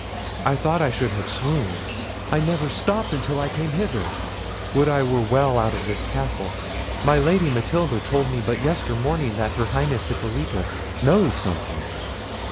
I thought I should have swooned. I never stopped until I came hither—would I were well out of this castle. My Lady Matilda told me but yester morning that her Highness Hippolita knows something."